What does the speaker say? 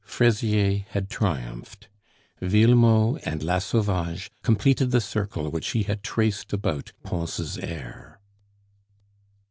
Fraisier had triumphed. Villemot and La Sauvage completed the circle which he had traced about Pons' heir.